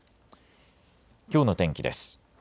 きょうの天気です。